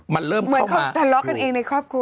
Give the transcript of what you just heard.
มันเริ่มเหมือนเขาทะเลาะกันเองในครอบครัว